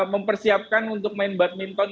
mempersiapkan untuk main badminton